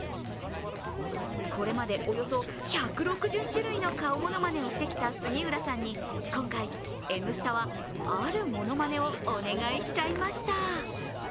これまで、およそ１６０種類の顔ものまねをしてきた杉浦さんに今回、「Ｎスタ」はあるものまねをお願いしちゃいました。